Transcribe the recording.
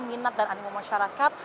minat dan animum masyarakat